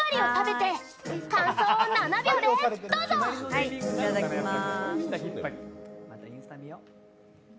いただきます。